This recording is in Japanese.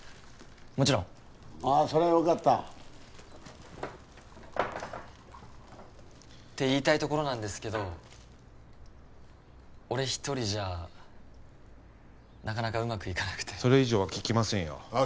もちろんああそれはよかったって言いたいところなんですけど俺一人じゃなかなかうまくいかなくてそれ以上は聞きませんよああ